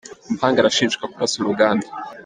Amahanga arashinjwa kurasa uruganda